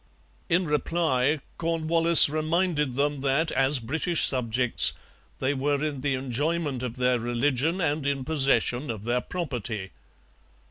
In reply Cornwallis reminded them that, as British subjects, they were in the enjoyment of their religion and in possession of their property.